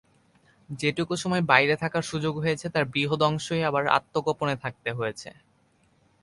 যেটুকু সময় বাইরে থাকার সুযোগ হয়েছে তার বৃহদংশই আবার আত্মগোপনে থাকতে হয়েছে।